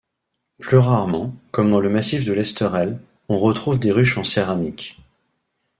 Plus rarement, comme dans le massif de l’Esterel, on retrouve des ruches en céramique.